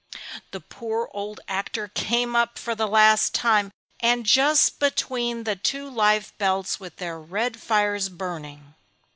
The poor old actor came up for the last time and just between the two life belts with their red fires burning.